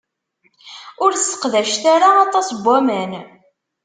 Ur sseqdacet ara aṭas n waman.